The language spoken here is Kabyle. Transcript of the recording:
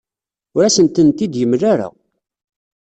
Ur asen-tent-id-yemla ara.